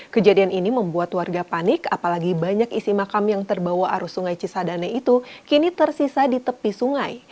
kejadian ini membuat warga panik apalagi banyak isi makam yang terbawa arus sungai cisadane itu kini tersisa di tepi sungai